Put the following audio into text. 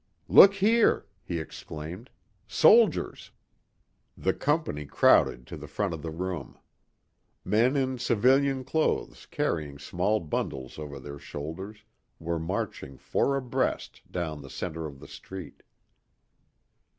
"Look here," he exclaimed, "soldiers." The company crowded to the front of the room. Men in civilian clothes carrying small bundles over their shoulders were marching four abreast down the center of the street.